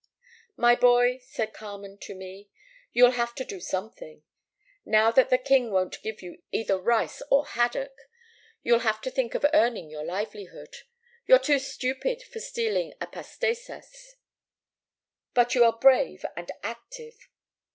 "'My boy,' said Carmen to me, 'you'll have to do something. Now that the king won't give you either rice or haddock* you'll have to think of earning your livelihood. You're too stupid for stealing a pastesas. But you are brave and active.